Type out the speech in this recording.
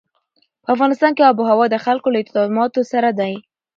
په افغانستان کې آب وهوا د خلکو له اعتقاداتو سره ده.